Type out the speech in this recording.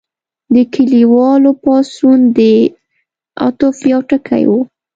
د کلیوالو پاڅون د عطف یو ټکی و.